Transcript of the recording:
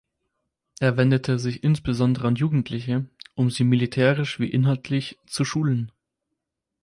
Er wendete sich insbesondere an Jugendliche, um sie militärisch wie inhaltlich zu schulen.